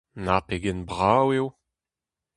Na pegen brav eo !